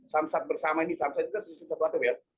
samsat bersama ini samsat itu sesuatu yang terbaik